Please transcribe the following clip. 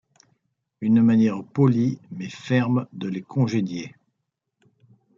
Une manière polie, mais ferme, de les congédier.